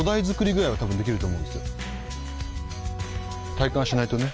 体感しないとね。